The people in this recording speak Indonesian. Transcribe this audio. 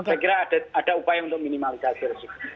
saya kira ada upaya untuk minimalisasi resiko